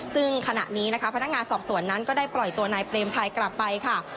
ซึ่งขณะนี้นะคะพนักงานสอบสวนนั้นก็ได้ปล่อยตัวนายเปรมชัยกลับไปค่ะ